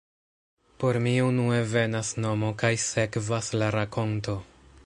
Por mi unue venas nomo kaj sekvas la rakonto.